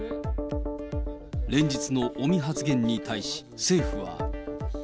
連日の尾身発言に対し、政府は。